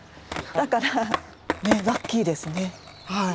だからねラッキーですね。